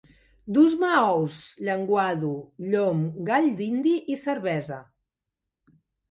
Dus-me ous, llenguado, llom, gall dindi i cervesa